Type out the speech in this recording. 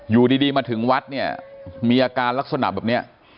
อยู่ดีมาถึงวัดเนี่ยมีอาการลักษณะแบบนี้